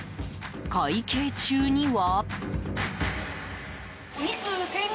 会計中には。